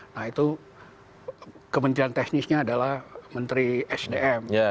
nah itu kementerian teknisnya adalah menteri sdm